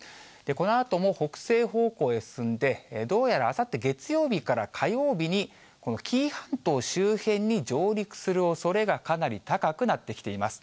このあとも北西方向へ進んで、どうやらあさって月曜日から火曜日に、この紀伊半島周辺に上陸するおそれが、かなり高くなってきています。